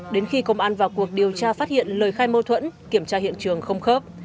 đến khi công an vào cuộc điều tra phát hiện lời khai mâu thuẫn kiểm tra hiện trường không khớp